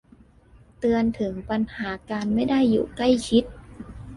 เตือนถึงปัญหาการไม่ได้อยู่ใกล้ชิด